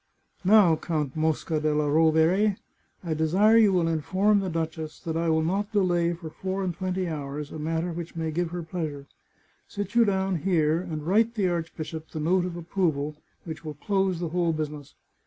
Now, Count Mosca della Rovere, I desire you will inform the duchess that I will not delay for four and twenty hours a matter which may give her pleasure. Sit you down here, and write the archbishop the note of approval which will close the whole business.'